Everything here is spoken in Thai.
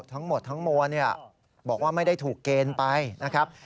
ทั้งหมดทั้งมวลบอกว่าไม่ได้ถูกเกณฑ์ไปนะครับ